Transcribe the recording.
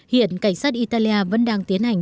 hiện cảnh sát italia vẫn đang tiến hành